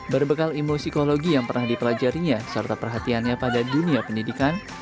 berbekal emosi yang pernah dipelajarinya serta perhatiannya pada dunia pendidikan